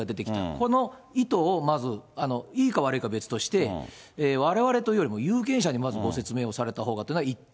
この意図をまず、いいか悪いかは別として、われわれというよりも、有権者にまずご説明をされたほうがというのが１点。